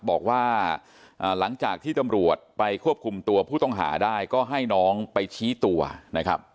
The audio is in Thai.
บอกว่าหลังจากที่ตำรวจไปควบคุมตัวผู้ต้องหาได้ก็ให้น้องไปชี้ตัวนะครับ